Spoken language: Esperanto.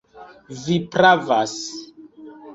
Vi pravas.